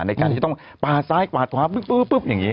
ในการที่ต้องปาดซ้ายปาดขวาปุ๊บอย่างนี้